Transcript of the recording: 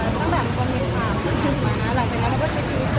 เพราะตอนนี้ละครกำลังจะออนค่ะ